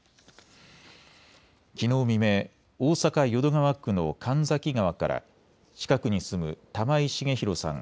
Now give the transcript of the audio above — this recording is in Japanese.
きのう未明、大阪淀川区の神崎川から近くに住む玉井重弘さん